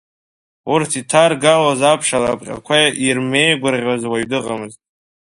Урҭ иҭаргалоз аԥш алапҟьақәа ирмеигәырӷьоз уаҩ дыҟамызт.